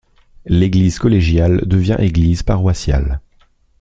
L'église collégiale devient église paroissiale.